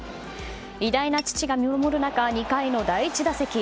偉大な父が見守る中２回の第１打席。